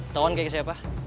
tau kan kayak siapa